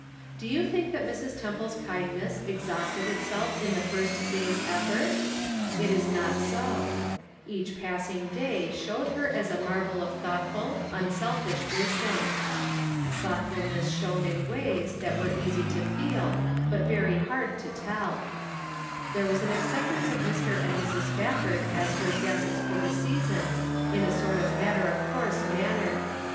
Do you think that Mrs. Temple's kindness exhausted itself in the first day's effort? It is not so; each passing day showed her as a marvel of thought ful, unselfish wisdom. Though tfulness shown in ways v that are easy to feel, but very hard to tell. There was an acceptance of Mr. and Mrs. Spafford as her guests for the season in a sort of matter of course manner.